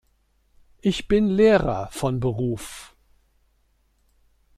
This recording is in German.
Ich bin Lehrer von Beruf.